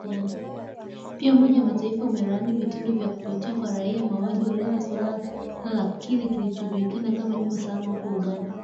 Pia umoja wa mataifa umelaani vitendo vya kupotea kwa raia, mauaji holela, suala la kile kinachojulikana kama “nyumba salama”, huko Uganda